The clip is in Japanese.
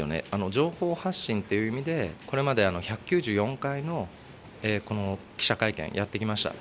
情報発信という意味で、これまで１９４回のこの記者会見、やってきました。